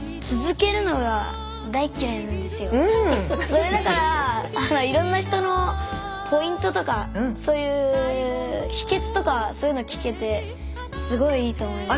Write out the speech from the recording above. それだからいろんな人のポイントとかそういう秘けつとかそういうの聞けてすごいいいと思いました。